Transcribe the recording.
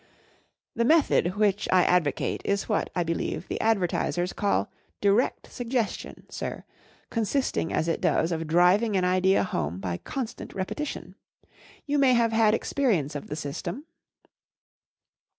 'The method which 1 advocate is what* I be¬ lieve, the advertisers call Direct Suggestion, sir, consisting as it does of driving an idea home by constant repetition. You may have had experience of flie system